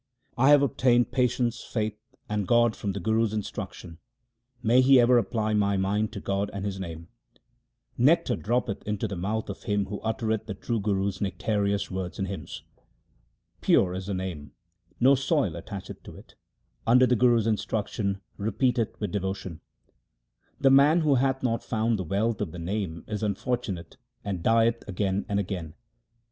1 have obtained patience, faith, and God from the Guru's instruction ; may he ever apply my mind to God and His name ! Nectar droppeth into the mouth of him who uttereth the true Guru's nectareous words and hymns. 1 Literally — become cooled and green. 320 THE SIKH RELIGION Pure is the Name ; no soil attacheth to it ; under the Guru's instruction repeat it with devotion. The man who hath not found the wealth of the Name is unfortunate and dieth again and again.